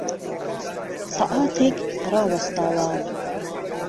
سهعاتێک راوهستاوه